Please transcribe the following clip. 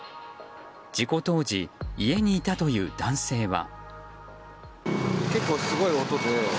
事故当時家にいたという男性は。